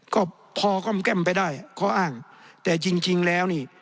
ก็พอก้อมแก้มไปได้ข้ออ้างแต่จริงจริงแล้วนี่